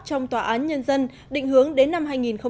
trong tòa án nhân dân định hướng đến năm hai nghìn hai mươi năm